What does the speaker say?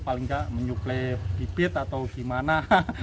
paling nggak menyuplai bibit atau gimana